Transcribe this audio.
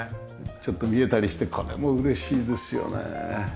ちょっと見えたりしてこれも嬉しいですよね。